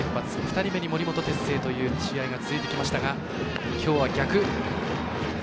２人目に森本哲星という試合が続いてきましたがきょうは逆。